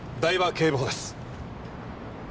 警部補です。